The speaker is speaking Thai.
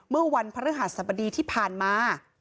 เมื่อวันพรภสพดีที่ผ่านมา